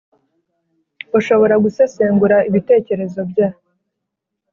ushobora gusesengura ibitekerezo bya